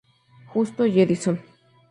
Justo y Edison.